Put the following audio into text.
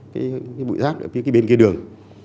cái bụi rác ở bên kia đường